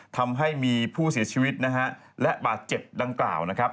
ทำให้มีผู้เสียชีวิตนะฮะและบาดเจ็บดังกล่าวนะครับ